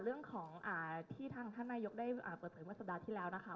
เรื่องของที่ทางท่านนายกได้เปิดเผยเมื่อสัปดาห์ที่แล้วนะคะ